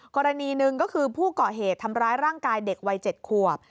กรณีหนึ่งก็คือผู้ก่อเหตุทำร้ายร่างกายเด็กวัย๗ขวบ